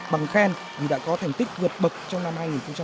bằng khen vì đã có thành tích vượt bậc trong năm hai nghìn một mươi chín